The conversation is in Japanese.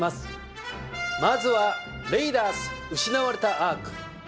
まずは『レイダース失われたアーク聖櫃』。